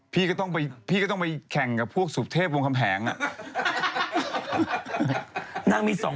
พี่ก็ต้องไปแข่งกับพวกสูบเทพวงคำแหง